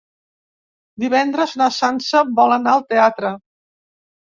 Divendres na Sança vol anar al teatre.